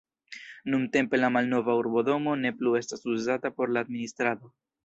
Nuntempe la malnova urbodomo ne plu estas uzata por la administrado.